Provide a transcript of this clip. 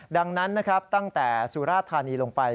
ดังนั้นตั้งแต่สุรธานีลงไป